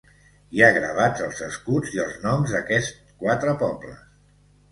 Hi ha gravats els escuts i els noms d'aquests quatre pobles.